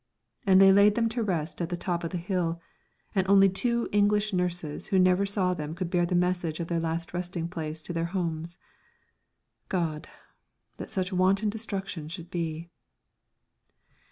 And they laid them to rest at the top of the hill, and only two English nurses who never saw them could bear the message of their last resting place to their homes. God! that such wanton destruction should be.